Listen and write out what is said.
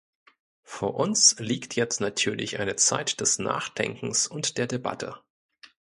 Vor uns liegt jetzt natürlich eine Zeit des Nachdenkens und der Debatte.